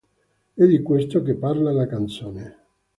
È di questo che parla la canzone.